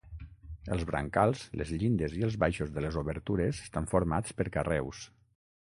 Els brancals, les llindes, i els baixos de les obertures estan formats per carreus.